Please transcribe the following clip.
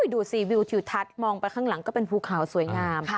ดูสิวิวทิวทัศน์มองไปข้างหลังก็เป็นภูเขาสวยงาม